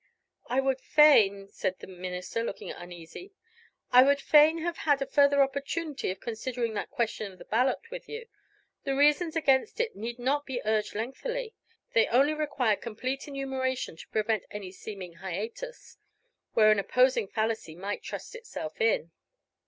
"I would fain," said the minister, looking uneasy "I would fain have had a further opportunity of considering that question of the ballot with you. The reasons against it need not be urged lengthily; they only require complete enumeration to prevent any seeming hiatus, where an opposing fallacy might thrust itself in."